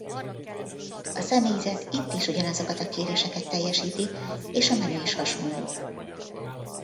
A személyzet itt is ugyanazokat a kéréseket teljesíti és a menü is hasonló.